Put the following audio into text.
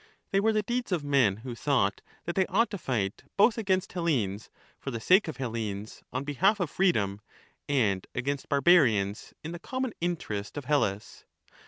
They were the deeds of men who thought that they ought to fight both against Hellenes for the sake of Hellenes on behalf of freedom, and against barbarians in the common interest of Hellas.